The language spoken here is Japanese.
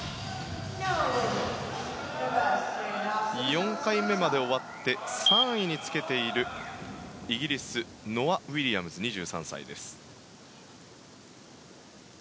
４回目まで終わって３位につけているイギリス、ノア・ウィリアムズ２３歳です。